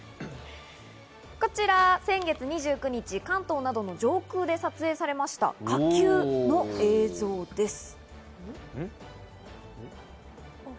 こちら先月２９日、関東などの上空で撮影されました火球の映像です。